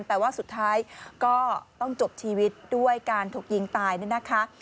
แต่ว่าสุดท้ายก็ต้องจบชีวิตด้วยการถูกยิงตายนี่นะคะ